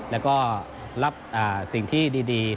แล้วก็รับสิ่งที่ดี